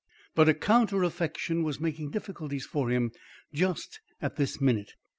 But a counter affection was making difficulties for him just at this minute.